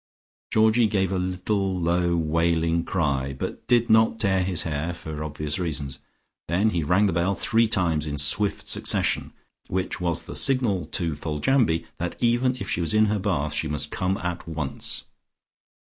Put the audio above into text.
Georgie gave a little low wailing cry, but did not tear his hair for obvious reasons. Then he rang the bell three times in swift succession, which was the signal to Foljambe that even if she was in her bath, she must come at once.